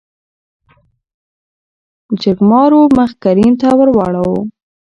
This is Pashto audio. جرګمارو مخ کريم ته ورواړو .